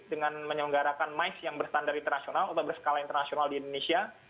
dengan menyelenggarakan mais yang berstandar internasional atau berskala internasional di indonesia